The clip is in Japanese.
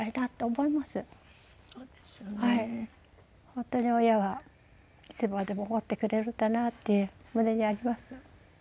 本当に親はいつまでも思ってくれるんだなっていう胸にあります。